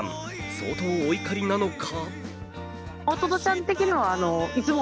相当お怒りなのか？